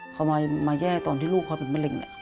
ทำไมมาแย่ตอนที่ลูกเขาเป็นมะเร็ง